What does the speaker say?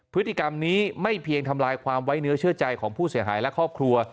พฤติกรรมนี้ไม่เพียงทำลายความไว้เนื้อเชื่อใจของผู้เสียหายและครอบครัว